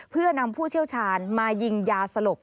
เพื่อนำผู้เชี่ยวชาญมายิงยาสลบ